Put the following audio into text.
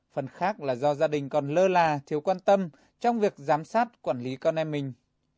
phần khác là do gia đình còn lơ là thiếu quan tâm trong việc giám sát quản lý con em mình